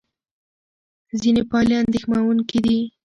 ځینې پایلې اندېښمنوونکې وې.